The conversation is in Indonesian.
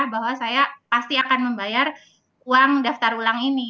bahwa saya pasti akan membayar uang daftar ulang ini